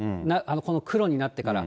この黒になってから。